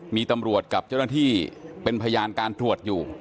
มีตำรวจกับเจ้าหน้าที่เป็นพยานการตรวจอยู่